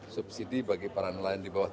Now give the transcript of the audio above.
subsidi bagi para nelayan di bawah tiga puluh jt